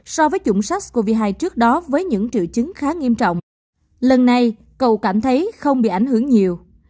so với chủng sars cov hai trước đó với những triệu chứng khá nghiêm trọng lần này cầu cảm thấy không bị ảnh hưởng nhiều